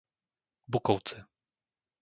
Bukovce